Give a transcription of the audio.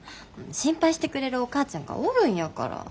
心配してくれるお母ちゃんがおるんやから。